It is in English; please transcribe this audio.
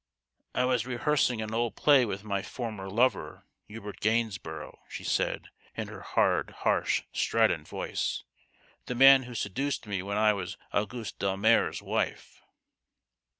"I was rehearsing an old play with my former lover, Hubert Gainsborough," she said in her hard, harsh, strident voice ;" the man who seduced me when I was Auguste Delmare's wife."